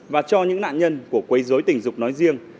và cho những nạn nhân của quấy dối tình dục nói riêng